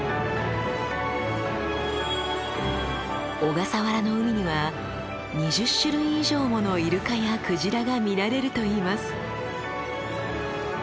小笠原の海には２０種類以上ものイルカやクジラが見られるといいます。